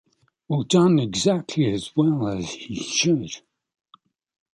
Or done exactly as well as he should.